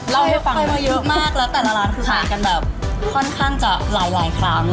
เล่าให้ฟังไปมาเยอะมากแล้วแต่ละร้านคือมากันแบบค่อนข้างจะหลายครั้ง